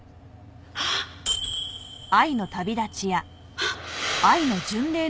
あっ！